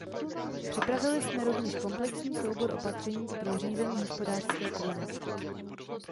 Připravili jsme rovněž komplexní soubor opatření pro řízení hospodářské krize.